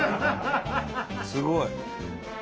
すごい。